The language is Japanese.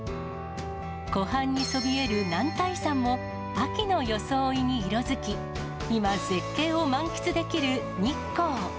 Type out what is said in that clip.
湖畔にそびえる男体山も、秋の装いに色づき、今、絶景を満喫できる日光。